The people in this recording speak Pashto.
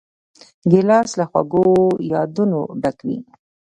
ګیلاس له خوږو یادونو ډک وي.